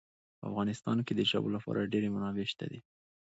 په افغانستان کې د ژبو لپاره ډېرې منابع شته دي.